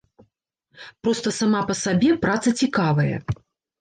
Проста сама па сабе праца цікавая.